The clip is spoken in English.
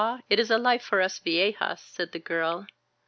it is a life for us vtejas^ said the girl.